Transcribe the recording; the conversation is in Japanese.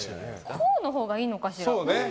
こうのほうがいいのかしら。